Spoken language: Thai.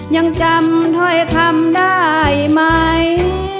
ยังจำถ้อยคำได้ไหม